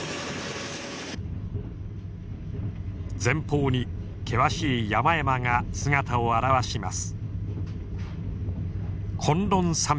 前方に険しい山々が姿を現します。